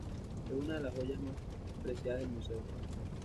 Es una de las joyas más preciadas del Museo.